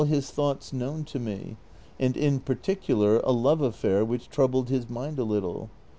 his thoughts known to me, and in i)ai ticular a love affair which troubled his mind a little.